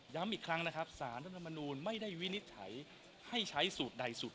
อีกครั้งนะครับสารรัฐธรรมนูลไม่ได้วินิจฉัยให้ใช้สูตรใดสูตร